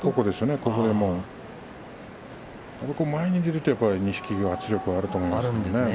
前に出ると錦木の圧力があると思います。